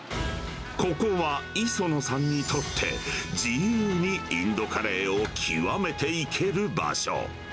ここは磯野さんにとって、自由にインドカレーを極めていける場所。